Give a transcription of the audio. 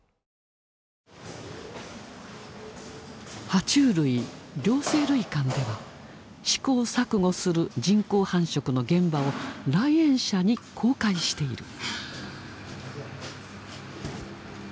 は虫類・両生類館では試行錯誤する人工繁殖の現場を来園者に公開している。